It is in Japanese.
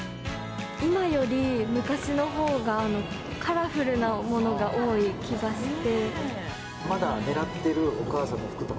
今より昔のほうが、カラフルなものが多い気がして。